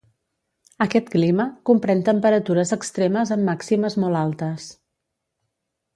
Aquest clima comprèn temperatures extremes amb màximes molt altes.